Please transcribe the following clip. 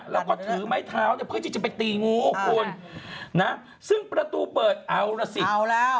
แล้วก็ถือไม้เท้าเนี่ยเพื่อที่จะไปตีงูคุณนะซึ่งประตูเปิดเอาล่ะสิเอาแล้ว